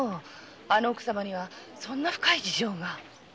あの奥様にはそんな深い事情が。